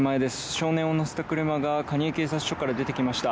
少年を乗せた車が蟹江警察署から出てきました。